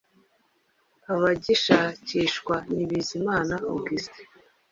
Abagishakishwa ni Bizimana Augustin,